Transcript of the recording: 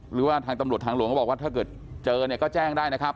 หรือว่าทางตำรวจทางหลวงเขาบอกว่าถ้าเกิดเจอเนี่ยก็แจ้งได้นะครับ